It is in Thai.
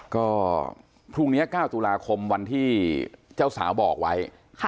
ก็พรุ่งนี้๙ตุลาคมวันที่เจ้าสาวบอกไว้